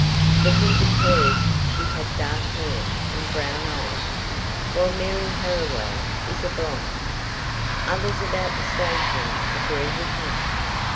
But he declares she had dark hair and brown eyes, while Mary Harriwell is a blonde. Others about the station agree with him.